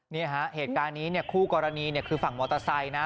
เนี่ยฮะเหตุการณ์นี้เนี่ยคู่กรณีคือฝั่งมอเตอร์ไซค์นะ